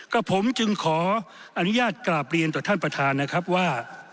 กับผมจึงขออนุญาตกราบเรียนต่อท่านประธานนะครับว่า